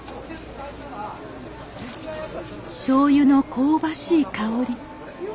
しょうゆの香ばしい香り。